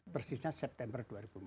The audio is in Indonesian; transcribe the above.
persisnya september dua ribu empat belas